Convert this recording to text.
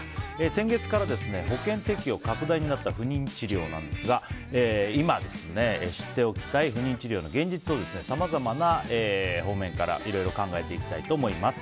先月から保険適用拡大になった不妊治療ですが今知っておきたい不妊治療の現実をさまざまな方面からいろいろ考えていきたいと思います。